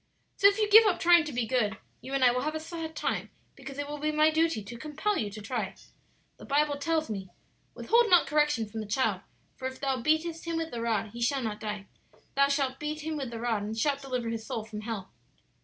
"So if you give up trying to be good you and I will have a sad time; because it will be my duty to compel you to try. The Bible tells me, 'Withhold not correction from the child; for if thou beatest him with the rod he shall not die. Thou shalt beat him with the rod, and shalt deliver his soul from hell.'